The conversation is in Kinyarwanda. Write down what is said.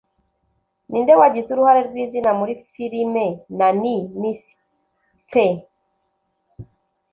Ninde wagize uruhare rw'izina muri Filime “Nanny McPhee”?